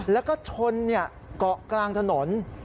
แล้วก็ชนเกาะกลางถนน